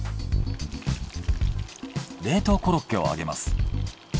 冷凍コロッケを揚げます。